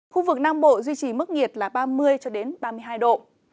khu vực nam bộ duy trì mức nhiệt là ba mươi cho đến ba mươi hai độ